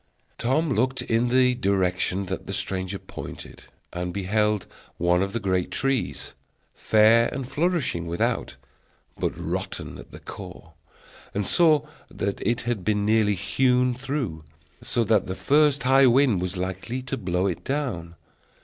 Tom looked in the direction that the stranger pointed, and beheld one of the great trees, fair and flourishing without, but rotten at the core, and saw that it had been nearly hewn through, so that the first high wind was likely to blow it down.